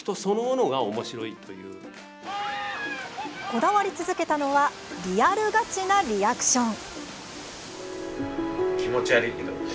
こだわり続けたのはリアルガチなリアクション。